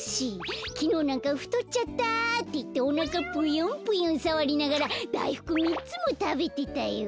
きのうなんか「ふとっちゃった」っていっておなかぷよんぷよんさわりながらだいふく３つもたべてたよ。